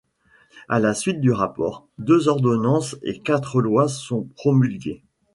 À la suite du rapport, deux ordonnances et quatre lois sont promulguées.